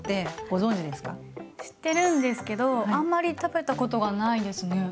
知ってるんですけどあんまり食べたことがないですね。